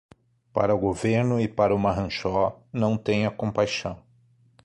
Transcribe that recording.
Para o governo e para o marranxó, não tenha compaixão.